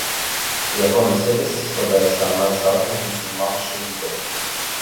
Яго насельніцтва складаецца амаль цалкам з мусульман-шыітаў.